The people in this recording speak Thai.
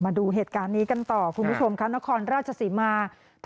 มาดูเหตุการณ์นี้กันต่อคุณผู้ชมค่ะนครราชศรีมา